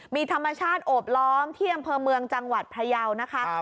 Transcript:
มีธรรมชาติโอบล้อมที่อำเภอเมืองจังหวัดพยาวนะคะ